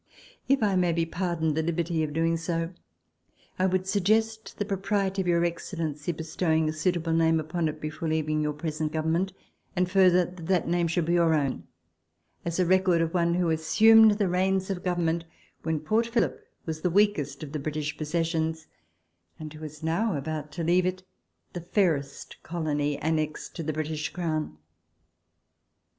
If I may be pardoned the liberty of doing so, I would suggest the propriety of Your Excellency bestowing a suitable name upon it before leaving your present Government, and further that that name be your own, as a record of one who assumed the reins of Government when Port Phillip was the weakest of the British possessions, and who is now about to leave it the fairest colony annexed to the British Crown.